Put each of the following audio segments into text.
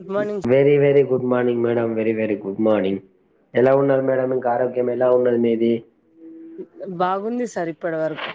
Good morning very very good good morning madam very very good morning ఎలా ఉన్నారు madam ఇంకా ఆరోగ్యం ఎలా ఉన్నది మీది బాగుంది సార్ ఇప్పడి వరకు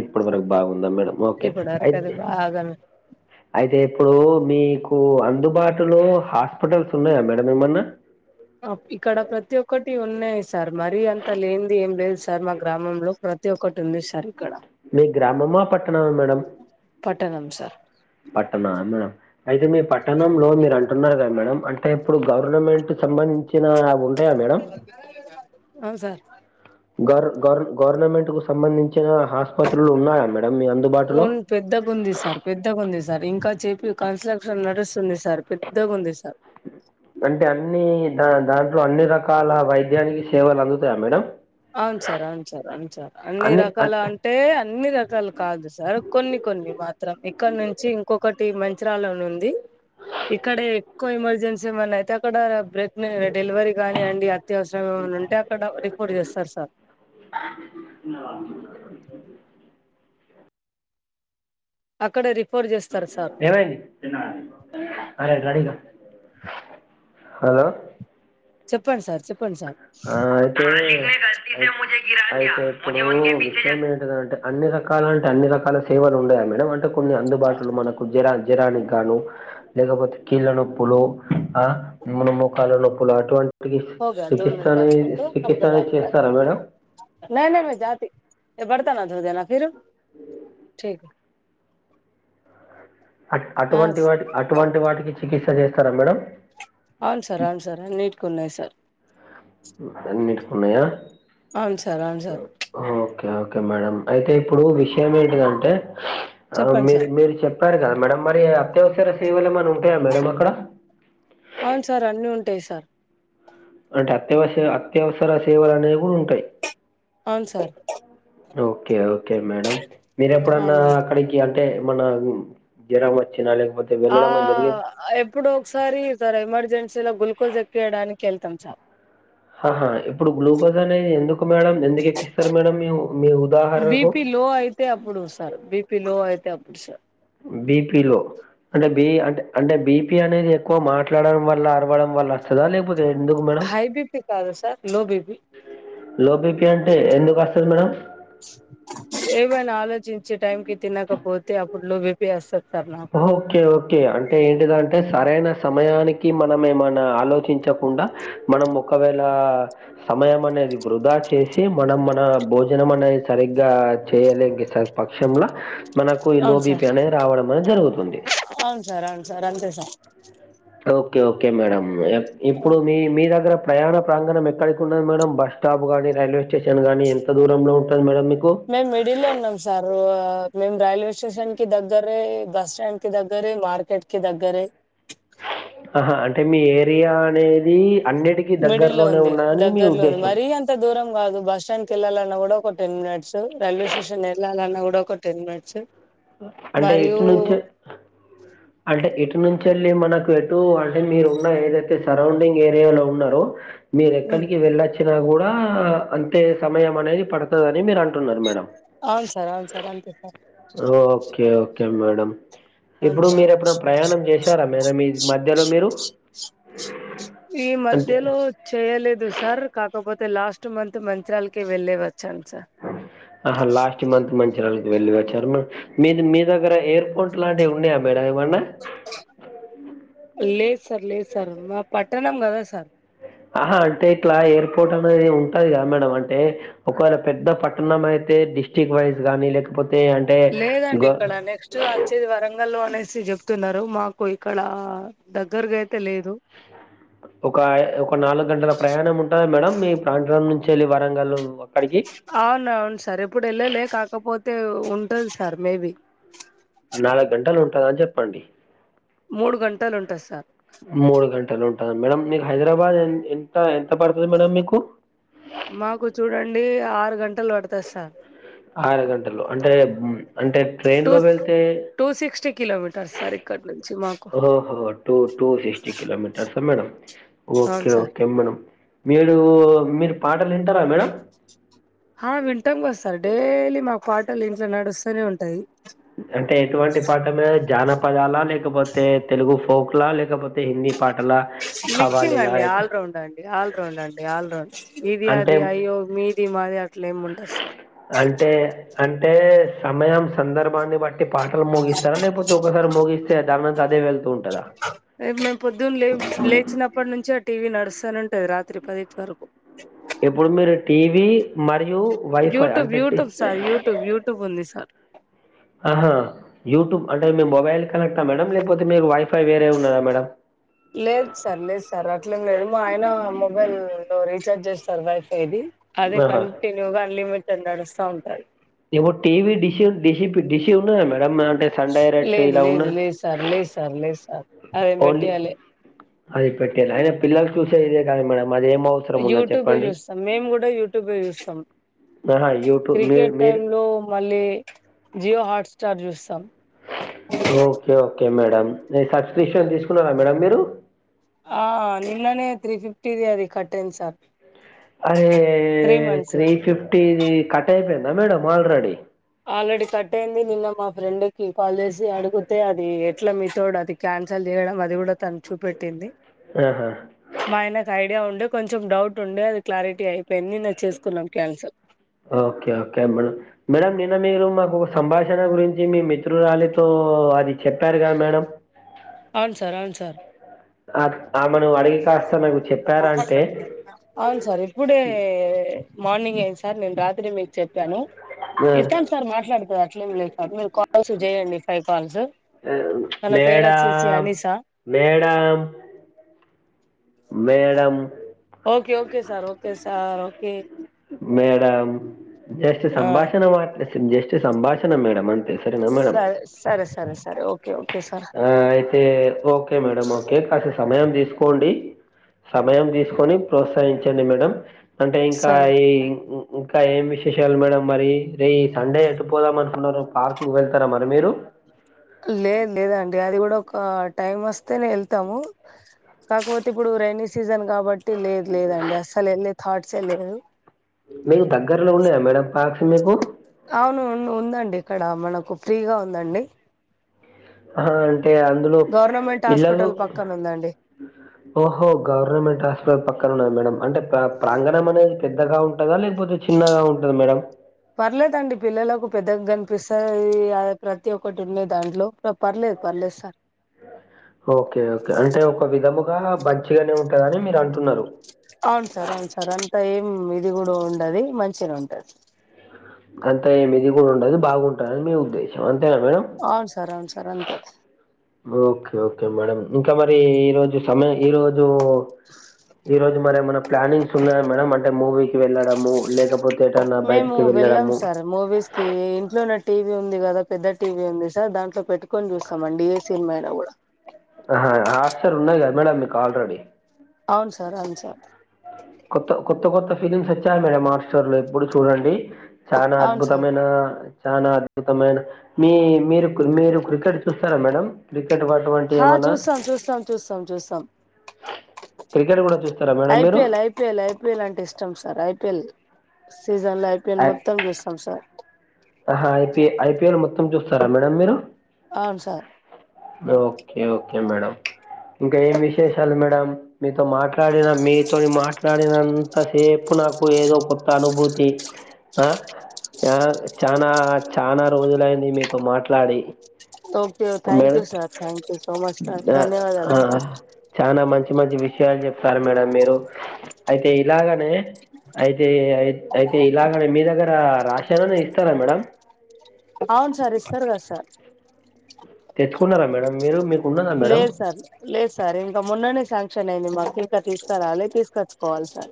ఇప్పడి వరకు బాగుందా మేడం ఓకే ఇప్పటి వరకు అది అయితే బాగా అయితే ఇప్పుడు మీకు అందుబాటులో హాస్పిటల్స్ ఉన్నాయా మేడం ఏమన్నా అ ఇక్కడ ప్రతి ఒక్కటి ఉన్నాయి సార్ మరీ అంత లేంది ఏం లేదు సార్ మా గ్రామంలో ప్రతి ఒక్కటి ఉంది సార్ ఇక్కడ మీ గ్రామమా పట్టణ మా మేడం పట్టణం సార్ పట్టణన అయితే మీ పట్టణంలో మీరు అంటున్నారు కదా మేడం అంటే ఇప్పుడు గవర్నమెంట్ సంబంధించిన వు హా మేడం అవు సార్ గౌర్ గౌర్ గవర్నమెంట్ కు సంబంధించిన హస్పత్రులు ఉన్నాయా మేడం మీ అందు ఉన్ పెద్దగా ఉంది సార్ పెద్దగా ఉంది సార్ ఇంకా చెపి కన్స్ట్రక్షన్ నడుస్తుంది సార్ పెద్దగుంది సార్ అంటే అన్నీ దా దాంట్లో అన్ని రకాల వైద్యానికి సేవలు అందుతాయా మేడం అవును సార్ అవును సార్ అవును సార్ అన్ని రకాల అ అంటే అన్ని రకాలు కాదు సార్ కొన్ని కొన్ని మాత్రం ఇక్కడ నుంచి ఇంకొకటి మంచరాలనుంది ఇక్కడ ఎక్కువ ఎమర్జెన్సీ ఏమైన్నా అయితే అక్కడ బ్రేక్ డెలివరీ గాని అండి అత్యవసరం ఏమన్నానుంటే అక్కడ రిపోర్ట్ చేస్ ఇన్న అక్కడ రిపోర్ట్ చేస్తారు సార్ ఏమైంది అరే రెడీగా హలో చెప్పండ్ సార్ చెప్పండ్ సార్ ఇప్పుడు అయిత్ అయితే ఇప్పుడు విషయం ఏన్టిదంటే అన్ని రకాల అంటే అన్ని రకాల సేవలు ఉండయా మేడం అంటే కొన్ని అందుబాటులో మనకు జరా జరానికి గాను లేకపోతే కీళ్ళ నొప్పులు ఆహ్ మన మోకాాల నొప్పులు అటువంట్ చికి హోగా దో చికిత్స మినట్ అనే బాత్ కర్తో చికిత్స అనే చేస్తారా మేడమ్ న న మ జాతి జబర్తనా ధోదనా ఫిరు [inaudible] ఓక అట్ హ అటువంటి వాటి అటువంటి వాటికి చికిత్స చేస్తారా మేడం అవున్ సార్ అవున్ సార్ అన్నిట్ కున్నయ్ సార్ అన్నిటిక్కున్నయా అవున్ సార్ అవున్ సార్ ఓకే ఓకే మేడం అయితే ఇప్పుడు విషయం ఏంటిదంటే ఆ చెప్పండి మీరు సార్ మీరు చెప్ ప్పారు కదా మేడం మరి అత్యవసర సేవలు ఏమన్నా ఉంటాయా మేడం అక్కడ అవున్ సార్ అన్నీ ఉంటాయ్ సార్ అంటే అత్యవస అత్యవసర సేవలు అనేవి కూడా ఉంటయ్ అవున్ సార్ ఓకే ఓకే మేడం మీరు ఎప్పుడన్నా అవును అక్కడిక్ అంటే మనమ్ జ్వరం వచ్చినా లేకపోతే ఆ వెళ్ళడం అని జరిగింది ఎప్పుడో ఒక్సారి సార్ ఎమర్జెన్సీలో గుల్కోస్ ఎక్కియడానికి వెళ్తాం సార్ ఆహా ఇప్పుడు గ్లూకోజ్ అనేది ఎందుకు మేడం ఎందుకెక్కిస్తారు మేడం మీ ఉ మీ ఉదాహరణకు బీపీ లో అయితే అప్పుడు సార్ బిపి లో అయితే అప్పుడు సార్ బీపి లో అంటే బి అంటే అంటే బిపీ అనేది ఎక్కువ మాట్లాడడం వల్ల అరవడం వల్ల కదా లేక్పోతే ఎందుకు మేడం హై బీపీ కాదు సార్ లో బీపీ లోపి బీ పీ అంటే ఎందుకు అస్తది మేడం ఏవనా ఆలోచించి టైం కి తినకపోతే అప్పుడు లో బీ పీ వస్తది సార్ నాకు ఓకే ఓకే అంటే ఏంటిదంటే సరైన సమయానికి మనం ఏమన్నా ఆలోచించకుండా మనం ఒకవేళ సమయం అనేది వృధా చేసి మనం మన భోజనం అనేది సరిగ్గా చేయలే పక్షంల మనకు ఈ లోబీపీ అనేది రావడం అనేది జరుగుతుంది అవున్ సార్ అవున్ సార్ అంతే సార్ ఓకే ఓకే మేడం ఎప్ ఇప్పుడు మీ మీ దగ్గర ప్రయాణ ప్రాంగనం ఎక్కడికున్నది మేడం బస్స్టాప్ గాని రైల్వే స్టే స్టేషన్ గాని ఎంత దూరంలో ఉంటది మేడం మీకు మేమ్ మీడిలో ఉన్నామ్ సారు మేము రైల్వే స్టేషన్ కి దగ్గరే బస్ స్టాండ్ కి దగ్గరే మార్కెట్ కి దగ్గరే ఆహా అంటే మీ ఏరియా అనేద్ ది అన్నిటికీ దగ్గర్లోనే ఉన్న అని మీ ఉద్దేశం ఎంత దూరం కాదు బస్ స్టాండ్ కి ఎల్లాలన్న కూడా ఒక టెన్ మినిట్స్ రైల్వే స్టేషన్ వెళ్ళాలన్నా కూడా ఒక టెన్ మినిట్స్ అంటే మరియు ఇటునుంచే ఆ అంటే ఎటు నుంచి వెళ్ళి మనకు ఎటు అంటే మీరు ఉన్న ఏదైతే సరౌండింగ్ ఏరియాలో ఉన్నారో మీరు ఎక్కడికి వెళ్లొచ్చినా కూడా అంతే సమయం అనేది పడతాదని మీరు అంటున్నారు మేడం అవును సార్ అవును సార్ అంతే సార్ ఓకే ఓకే మేడం ఇప్పుడు అంతా మీరు ఎప్పుడన్నా ప్రయాణం చేశారా మీరు మీ మధ్యలో మీరు ఈ అంటే మధ్యలో చేయలేదు సార్ కాకపోతే లాస్ట్ మంత్ మంత్రాలకి వెళ్లి వచ్చాను సార్ ఆ లాస్ట్ మంత్ మంచిరళకి వెళ్ళి వచ్చారు మ్యామ్ మీది మీ దగ్గర ఎయిర్ పోర్ట్ లాంటివి ఉన్నాయా మేడం ఏమన్నా లేదు సార్ లేదు సార్ మా పట్టణం కదా సార్ ఆహా అంటే ఇట్లా ఎయిర్ పోర్ట్ అనేది ఉంటది కదా మేడం అంటే ఒకవేళ పెద్ద పట్టణం అయితే డిస్టిక్ వైస్ గాని లేకపోతే అంటే గో చు వచ్చేది వరంగల్ లో అనేసి చెప్తున్నారు మాకు ఇక్కడ దగ్గరగా అయితే లేదు అ ఒక ఒక నాలుగు గంటల ప్రయాణం ఉంటాదా మేడం మీ ప్రాంతం నుంచి వెళ్లి వరంగల్ అక్కడికి అవును అవును సార్ ఎప్పుడు వెళ్లలే కాకపోతే ఉంటది సార్ మేబి నాలుగు గంటలు ఉంటదా చెప్పండి మూడు గంటలు ఉంటది సార్ మూడు గంటలు ఉంటాంద మేడం మీకు హైదరాబాద్ ఎ ఎంత ఎంత పడుతంది మేడం మీకు మాకు చూడండి ఆరు గంటలు పడతాది సార్ ఆరు గంటలు అంటే అంటే ట్రైన్ టూ లో వెళ్తే టూ సిక్స్ కిలోమీటర్స్ సార్ ఇక్కడ నుంచి మాకు ఓహో two two sixty kilometres madam okay అవును సార్ ఓకే మేడం మీరు మీరు పాటలు వింటారా మేడం ఆ వింటాంగా సార్ డైలీ మా పాటలు ఇంట్లో నడుస్తూనే ఉంటాయి అంటే ఎటువంటి పాటలు జానపదాల లేకపోతే తెలుగు ఫోక్లా లేకపోతే అంటే హిందీ పాటల మిక్సింగ్ అండి ఆల్ రౌండ్ అండి ఆల్ రౌండ్ అండి ఆల్ రౌండ్ ఇది అంటే అది అయ్యో మీ మీది మాది అట్ల ఏమి ఉండదు సార్ అంటే అంటే సమయం సందర్భాన్ని బట్టి పాటలు ముగిస్తారా లేకపోతే ఒకసారి మోగి దానం దాని అదే వెళ్తూ ఉంటాదా మేము పొద్దున్న లే లేచినప్పటి నుంచి ఆ టీవీ నడుస్తానే ఉంటది రాత్రి పది వరకు ఎప్పుడు మీరు టీవీ మరియు వైఫై అంటే ఆ యూట్యూబ్ యూ యూట్యూబ్ ఉంది సార్ ఆహా యూట్యూబ్ అంటే మేము మొబైల్ కనెక్ట్ మేడం లేకపోతే మీరు వైఫై వేరే ఉన్నదా మేడం అ లేదు సార్ లేదు సార్ అట్లేం లేదు మా ఆయన మొబైల్లో రీచార్జ్ చేస్తారు వైఫైది అది ఆహా! కంటిన్యూగా అన్లిమిటెడ్ నడుస్తా ఉంటాది ఇప్పుడు టీవీ డిష్ డిష్ డిష్ ఉన్నదా మేడం అంటే సన్ డైరెక్ట్ లేదు ఇలా ఉన్న లేదు లేదు సార్ లేదు సార్ లేదు సార్ అది ఓన్లీ పెట్టిలే అది పెట్టేల అయిన పిల్లలు చూసేదే ఇదే కదా మేడం అది ఏం అవసరం ఉన్నది యూట్యూబే చెప్పండి చూస్తాం మేము కూడా యూట్యూబ్ లో చూస్తాం ఆహా! యూట్యూబ్ మీరు క్రికెట్ మీరు టైమ్ లో మళ్ళీ జియో హాట్స్టార్ చూస్తాం ఓకే ఓకే మేడం న సబ్స్క్రిప్షన్ తీసుకున్నారా మేడం మీరు ఆ నిన్ననే త్రీ ఫిఫ్టీది అది కట్ అయింది సార్ అరే త్రీ ఫిఫ్టీది కట్ అయిపోయిందా మేడం ఆల్రెడీ ఆల్రెడీ కట్ అయింది నిన్న మా ఫ్రెండ్ కి కాల్ చేసి అడిగితే అది ఎట్లా మీతోడ క్యాన్సల్ చేయడం అది కూడా తను చూపెట్టింది ఆహా! మా ఆయనకు ఐడియా ఉండే కొంచెం డౌట్ ఉండే అది క్లారిటీ అయిపోయింది నిన్న చేసుకున్నాం cancel okay okay madam madam నిన్న మీరు మాకు సంభాషణ గురించి మీ మిత్రురాలితో అది చెప్పారు కదా మేడం అవును సార్ అవును సార్ ఆమెను అడిగి కాస్త నాకు చెప్పారా అంటే అవును సార్ ఇప్పుడే మార్నింగ్ అయింది సార్ నేను రాత్రి మీకు చెప్పాను ఆహ్, ఇస్తాం సార్ మాట్లాడుతుంది అట్లేం లేదు సార్ మీరు కాల్స్ చేయండి ఫైవ్ కాల్స్ తన పేరు వచ్చేసి madam Anisa madam madam okay okay sir okay sir okay madam just ఆ సంభాషణ మా జస్ట్ సంభాషణ మేడం అంతే సరేనా మేడం? సరే సరే సరే సరే ఓకే ఓకే స ఏ ఓకే మేడం ఓకే కాస్త సమయం తీసుకోండి సమయం తీసుకొని ప్రోత్సహించండి మేడం అంటే ఇంకా సరే ఈ ఈ ఏం విశేషాలు మేడం మరి ఈ సండే ఎటు పోదాం అనుకున్నారు పార్క్ వెళ్తారా మరి మీరు లేదు లేదండి అది గూడా ఒక టైం వస్తేనే వెళ్తాము కాకపోతే ఇప్పుడు రెైనీ సీజన్ కాబట్టి లేద్ లేదండి అస్సల్ ఏలే థాట్స్ ఏ లేదు మీరు దగ్గరలోనే మేడం పార్క్స్ మీకు అవునువును ఉందండి ఇక్కడ మనకు ఫ్రీగా ఉందండి అహా అంటే అందులో గవర్నమెంట్ పిల్లలు హాస్పిటల్ పక్కన ఉందండి ఓహో గవర్నమెంట్ హాస్పిటల్ పక్కనున్నది మేడం అంటే ప్ర ప్రాంగణం అనేది పెద్దగా ఉంటదా లేకపోతే చిన్నగా ఉంటది మేడం పర్లేదండి పిల్లలకు పెద్దగానిపిస్తది అ ప్రతి ఒక్కటి ఉన్నది దాంట్లో పర్లేద్ పర్లేద్ సార్ ఓకే ఓకే అంటే ఒక విధముగా మంచిగానే ఉంటదని మీరు అంటున్నారు అవున్ సార్ అవున్ సార్ అంత ఏం ఇది కూడా ఉండది మంచిగా ఉంటది అంతా ఏమి ఇది కూడా ఉండదు బాగుంటది మీ ఉద్దేశం అంతేనా మేడం అవున్ సార్ అవన్ సార్ అంతే ఓకే ఓకే మేడం ఇంకా మరి ఈ రోజు సమ ఈ రోజు మీరు ఈరోజు మరేమైనా ప్లానింగ్స్ ఉన్నాయా మేడం అంటే మూవీకి వెళ్ళడం మూవీ లేకపోతే ఏటనా మేము బయటికి వెళ్లడం వెళ్ళాం సార్ మూవీస్ కి ఇంట్లోనే టీవీ ఉంది కదా పెద్ద టీవీ ఉంది సార్ దాంట్లో పెట్టుకొని చూస్తామండి సిన్మెడ పో అహా హాస్టల్ ఉన్నది కదా మేడంమ్ మీకు ఆల్రెడీ అవున్ సార్ అవున్ సార్ కొత్త కొత్త కొత్త ఫిలిమ్స్ ఒచ్చాయి మేడం హాట్ స్టార్ లో ఇప్పుడు చూడండి చానా అవును సార్ అద్భుతమైన చానా అద్భుతమైన మీ మీరు కున్ మీరు క్రికెట్ చూస్తారా మేడం క్రికెట్ వర్ హా చూస్తాం చూస్తాం చూస్తాం చూస్తాం క్రికెట్ కూడా చూస్తారా మేడం మీరు P L I P L అంటే ఇష్టం sir I P L season లో ఐ పీ ఎల్ మొత్తం చూస్తాం సార్ ఆహా I P I P L మొత్తం చూస్తారా మేడం మీరు అవును సార్ ఓకే ఓకే మేడం ఇంకా ఏం విశేషాలు మేడం మీతో మాట్లాడిన మీతోని మాట్లాడినంత సేపు నాకు ఏదో కొత్త అనుభూతి హా ఆ చానా చానా రోజులయ్యింది మీతో మాట్లాడి okay thank you madam sir thank you so much sir ధన్యవాదాలు సార్ చానా మంచి మంచి విషయాలు‌ చెప్పారు మేడం మీరు అయితే ఇలాగనే అయితే ఐ అయితే ఇలాగనే మీ దగ్గర రాషనును ఇస్తారా మేడం అవును సార్ ఇస్తారు గా సార్ తెచ్చుకున్నారా మేడం మీరు మీర్ లేదు సార్ లేదు సార్ ఇంకా మొన్ననే శాంక్షన్ అయ్యింది మాకు ఇంకా తీస్కారావాలి తీస్కచ్చుకోవాలి సార్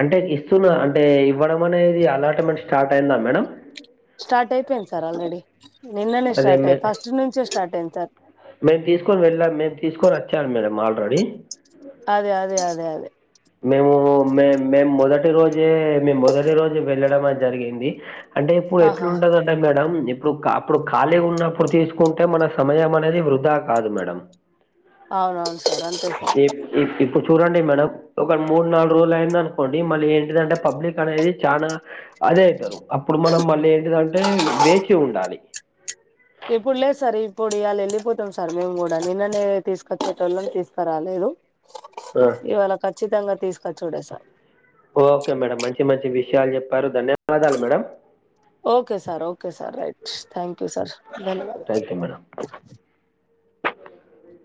అంటే ఇస్తున్నా అంటే ఇవ్వడం అనేది అలాట్మెంట్ స్టార్ట్ అయ్యిందా మేడం స్టార్ట్ అయిపోయింది సార్ ఆల్రెడీ నిన్ననే స్టార్ట్ ఐ ఫస్ట్ నుంచే స్టార్ట్ అయ్యింది సార్ మేం తీసుకొని వెళ్ళాము మేం తీసుకొని వచ్చాం మేడం ఆల్రెడీ అదే అదే అదే అదే మేము మే మేం మొదటి రోజే మేం మొదటి రోజే వెళ్ళడం అది జరిగింది అంటే ఇప్పుడు ఆహా ఎట్లుంటదంటే మేడం ఇప్పుడు కా ప్పుడు ఖాళీ ఉన్నప్పుడు తీసుకుంటే మన సమయం అనేది వృధా కాదు మేడం అవునవును సార్ అంతే సార్ ఇప్ ఇప్ ఇప్పుడు చూడండి మేడం ఒక మూడు నాలుగు రోజులు అయింది అనుకోండి మళ్ళీ ఏంటిదంటే పబ్లిక్ అనేది చానా అదే అప్పుడు మనం మళ్ళీ ఏంటిదంటే వేచి ఉండాలి ఇప్పుడు లేదు సార్ ఇప్పుడు ఇవాళ వెళ్ళిపోతాం సార్ మేం కూడా నిన్ననే తీసుకొచ్చేటోళ్ళం తీసుకురాలేదు ఆ ఇవాళ ఖచ్చితంగా తీసుకొచ్చుడే సార్ ఓకే మేడం మంచి మంచి విషయాలు చెప్పారు ధన్యవాదాలు madam okay sir okay sir right thank you sir ధన్యవాదాలు ట్యాంక్ యూ మేడం